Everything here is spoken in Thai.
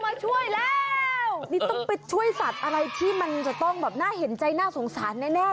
นี่ต้องเป็นช่วยสัตว์อะไรที่มันจะต้องแบบน่าเห็นใจน่าสงสารแน่แล้วค่ะ